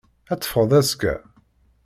Ad teffɣeḍ azekka?